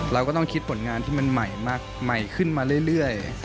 เราก็ต้องคิดผลงานที่มันใหม่ขึ้นมาเรื่อย